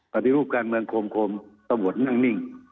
ปฏิรูปการเมืองคมตำรวจนั่งนิ่ง